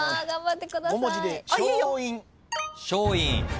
５文字で。